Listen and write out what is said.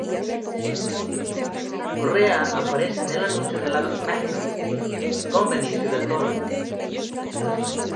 Correa aparece en el anuncio de helados Magnum con Benicio del Toro.